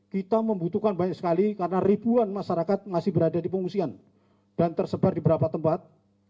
kita membutuhkan banyak sekali karena ribuan masyarakat masih berada di pengungsian dan tersebar di beberapa tempat